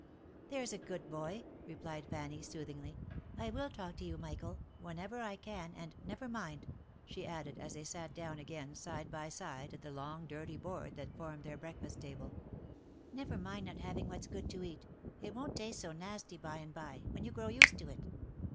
" There's a good boy !" replied Fanny, soothingly. " I will talk to you, Michael, whenever I can — and never mind," she added, as they sat down again side by side at the long dirty board that formed their breakfast table, li never mind not having what's good to eat, it won't taste so nasty by and bye, when you grow used to it."